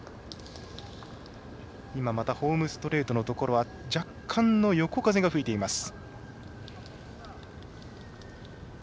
ホームストレートのところ若干の横風吹いています。